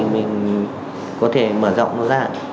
mình có thể mở rộng nó ra